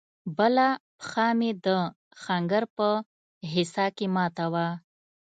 بله پښه مې د ښنگر په حصه کښې ماته وه.